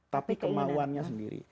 tapi kemaluannya sendiri